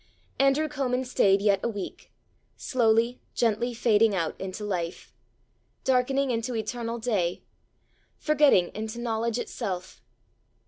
Andrew Comin staid yet a week slowly, gently fading out into life darkening into eternal day forgetting into knowledge itself.